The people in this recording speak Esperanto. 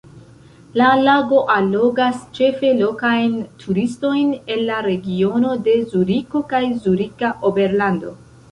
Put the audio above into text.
La lago allogas ĉefe lokajn turistojn el la regiono de Zuriko kaj Zurika Oberlando.